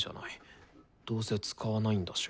どうせ使わないんだし。